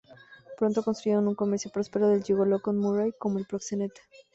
Pronto construyen un comercio próspero de gigolo con Murray como el proxeneta.